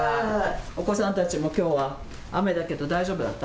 お子さんたちきょうは雨だけど大丈夫だった。